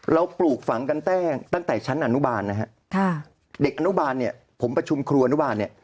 ปลูกฝังกันตั้งแต่ชั้นอนุบาลนะฮะค่ะเด็กอนุบาลเนี่ยผมประชุมครัวอนุบาลเนี่ย